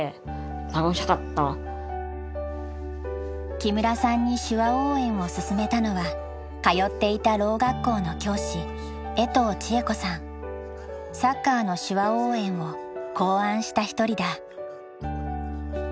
木村さんに手話応援を勧めたのは通っていたろう学校の教師サッカーの手話応援を考案した一人だ。